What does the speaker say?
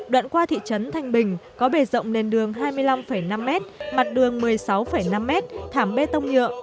đoạn qua thị trấn thanh bình có bể rộng nền đường hai mươi năm năm m mặt đường một mươi sáu năm m thảm bê tông nhựa